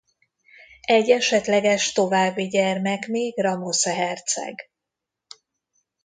Egy esetleges további gyermek még Ramosze herceg.